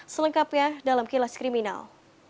selengkapnya dalam kilas kriminal